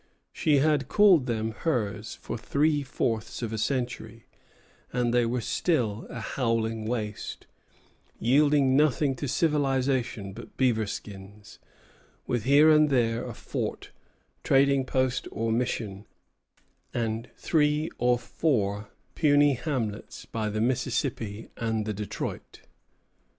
She had called them hers for three fourths of a century, and they were still a howling waste, yielding nothing to civilization but beaver skins, with here and there a fort, trading post, or mission, and three or four puny hamlets by the Mississippi and the Detroit.